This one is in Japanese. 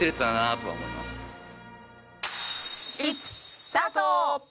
スタート！